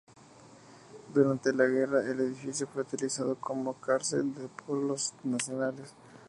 Durante la guerra, el edificio fue utilizado como cárcel por los nacionales.